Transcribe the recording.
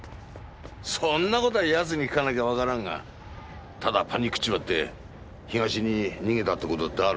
そんな事は奴に聞かなきゃわからんがただパニクっちまって東に逃げたって事だってある。